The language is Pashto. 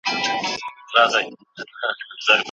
د عدالت او انصاف د ارزښت پوهیدل د ټولني د سمون لپاره مهم دي.